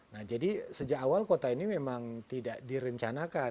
nah jadi sejak awal kota ini memang tidak direncanakan